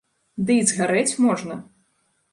Ды і згарэць можна!